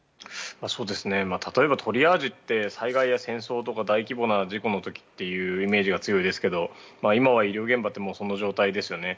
例えばトリアージって災害や戦争とか大規模な事故の時というイメージが強いですけど今は医療現場ってもうその状態ですよね。